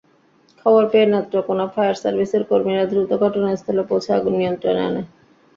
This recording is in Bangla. খবর পেয়ে নেত্রকোনা ফায়ার সার্ভিসের কর্মীরা দ্রুত ঘটনাস্থলে পৌঁছে আগুন নিয়ন্ত্রণে আনে।